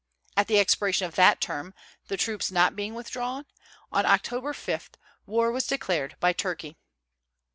At the expiration of that term, the troops not being withdrawn, on October 5 war was declared by Turkey.